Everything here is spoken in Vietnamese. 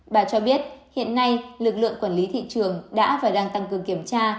bà cho biết hiện nay lực lượng quản lý thị trường đã và đang tăng cường kiểm tra